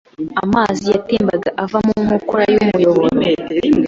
Amazi yatemba ava mu nkokora y'umuyoboro.